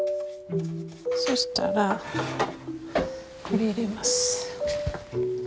そしたらこれ入れます。